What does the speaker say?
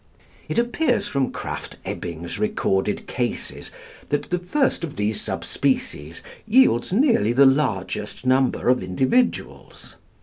It appears from Krafft Ebing's recorded cases that the first of these sub species yields nearly the largest number of individuals.